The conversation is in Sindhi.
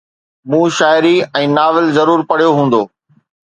مون شاعري ۽ ناول ضرور پڙهيو هوندو